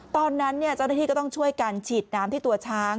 ตอนนั้นเจ้าหน้าที่ก็ต้องช่วยกันฉีดน้ำที่ตัวช้าง